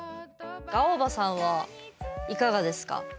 アオバさんはいかがですか？